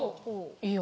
いいよ。